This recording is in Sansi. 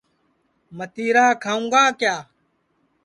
متِرا کھاؤں گا کِیا